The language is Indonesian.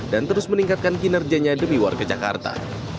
dan terus meningkatkan kinerjanya demi warga jakarta